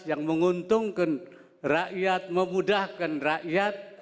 yang menguntungkan rakyat memudahkan rakyat